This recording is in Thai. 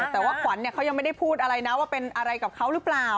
แต่ว่าขวัญเขายังไม่ได้พูดอะไรนะว่าเป็นอะไรกับเขาหรือเปล่า